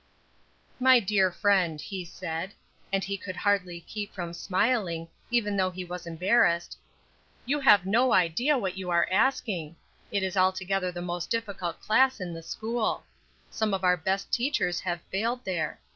"My dear friend," he said, and he could hardly keep from smiling, even though he was embarrassed, "you have no idea what you are asking! That is altogether the most difficult class in the school. Some of our best teachers have failed there.